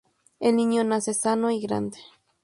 El niño nace sano y grande.